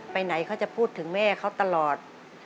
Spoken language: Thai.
ไปไหนเขาจะพูดถึงแม่เขาตลอด